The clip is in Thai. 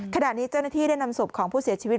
ขณะนี้เจ้าหน้าที่ได้นำศพของผู้เสียชีวิต